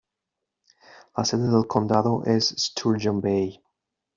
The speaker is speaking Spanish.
La sede del condado es Sturgeon Bay.